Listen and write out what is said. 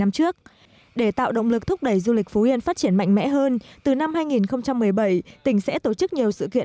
tổ chức tuần lễ văn hóa du lịch phú yên hai nghìn một mươi bảy từ ngày một đến ngày bảy tháng bốn